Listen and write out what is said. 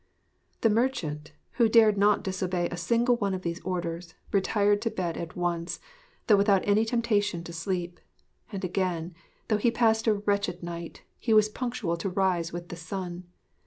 The merchant, who dared not disobey a single one of these orders, retired to bed at once, though without any temptation to sleep; and again, though he passed a wretched night, he was punctual to rise with the sun.